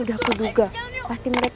udah aku duga pasti mereka